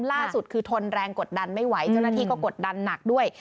ล่าสุดคือทนแรงกดดันไม่ไหวเจ้าหน้าที่ก็กดดันหนักด้วย